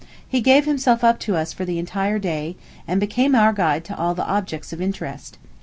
He gave himself up to us for the entire day, and became our guide to all the objects of interest.